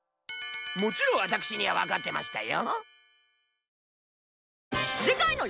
もちろん私にはわかってましたよ。